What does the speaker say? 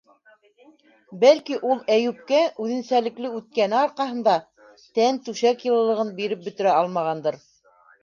Бәлки, ул Әйүпкә, үҙенсәлекле үткәне арҡаһында, тән-түшәк йылылығын биреп бөтөрә алмағандыр...